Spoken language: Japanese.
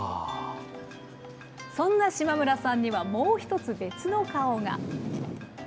そんな島村さんにはもう１つ別の顔が。